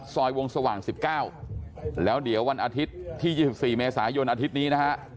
ซอยวงสว่าง๑๙แล้วเดี๋ยววันอาทิตย์ที่๒๔เมษายนอาทิตย์นี้นะฮะ